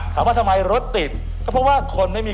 ถามว่าทำไมรถติดก็เพราะว่าคนไม่มี